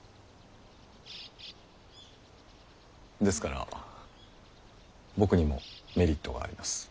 ですから僕にもメリットがあります。